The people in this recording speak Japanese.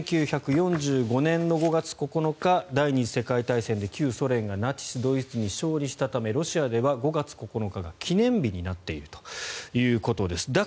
１９４５年５月９日第２次世界大戦で旧ソ連がナチス・ドイツに勝利したためロシアでは５月９日が記念日になっているということです。